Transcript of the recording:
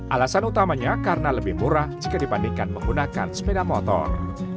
alasan utamanya karena lebih murah jika dibandingkan menggunakan sepeda motor